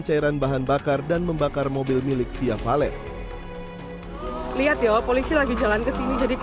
cairan bahan bakar dan membakar mobil milik via valen lihat yo polisi lagi jalan ke sini jadi